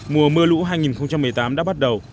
mùa mưa lũ hai nghìn một mươi tám đã bắt đầu